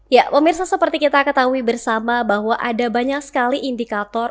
ya pemirsa seperti kita ketahui bersama bahwa ada banyak sekali indikator